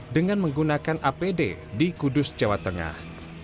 dengan menggunakan apd di kudus jawa tengah